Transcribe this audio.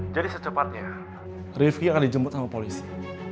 jadi secepatnya rifki akan dijemput sama polisi